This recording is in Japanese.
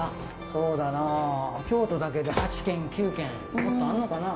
そうだなあ、京都だけで８軒、９軒もっとあるのかな。